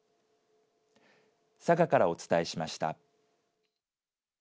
佐賀からお伝えしました。